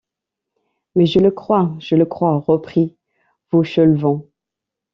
Mais je le crois, je le crois, reprit Fauchelevent.